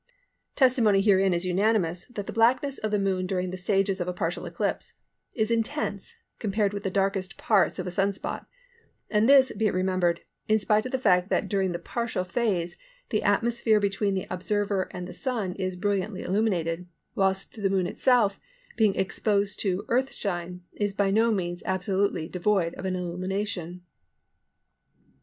Testimony herein is unanimous that the blackness of the Moon during the stages of partial eclipse is intense compared with the darkest parts of a Sun spot; and this, be it remembered, in spite of the fact that during the partial phase the atmosphere between the observer and the Sun is brilliantly illuminated, whilst the Moon itself, being exposed to Earth shine, is by no means absolutely devoid of all illumination.